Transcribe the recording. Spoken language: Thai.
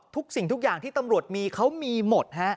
ทุกสิ่งทุกอย่างที่ตำรวจมีเขามีหมดฮะ